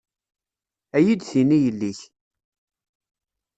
Ad iyi-d-tini yelli-k.